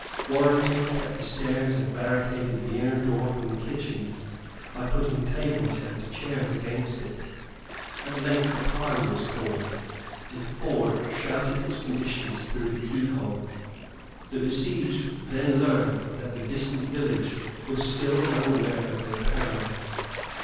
Warrenton kept the stairs and barricaded the inner door from the kitchens by putting tables and chairs against it. At length a parley was called, and Ford shouted his conditions through the keyhole. The besieged then learned that the distant village was still unaware of their peril.